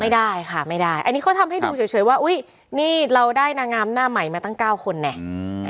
ไม่ได้ค่ะไม่ได้อันนี้เขาทำให้ดูเฉยว่าอุ้ยนี่เราได้นางงามหน้าใหม่มาตั้งเก้าคนไง